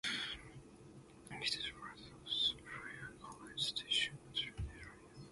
It is part of the Bryan-College Station metropolitan area.